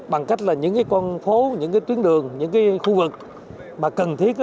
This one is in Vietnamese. bằng cách là những cái con phố những cái tuyến đường những cái khu vực mà cần thiết